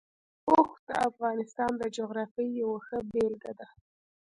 اوښ د افغانستان د جغرافیې یوه ښه بېلګه ده.